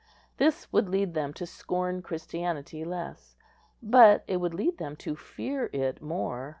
This would lead them to scorn Christianity less, but it would lead them to fear it more.